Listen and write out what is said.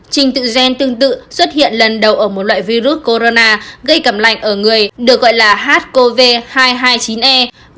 trình tự gen tương tự xuất hiện lần đầu ở một loại virus corona gây cầm lạnh ở người được gọi là hcov hai trăm hai mươi chín e